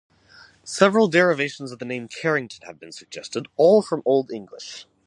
Several derivations of the name Carrington have been suggested, all from Old English.